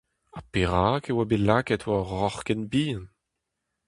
Ha perak e oa bet lakaet war ur roc'h ken bihan ?